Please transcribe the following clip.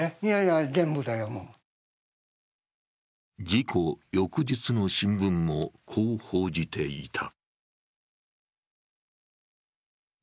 事故翌日の新聞もこう報じていた。